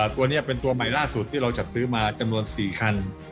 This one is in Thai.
ตัวนี้เป็นตัวใหม่ล่าสุดที่เราจัดซื้อมาจำนวน๔คัน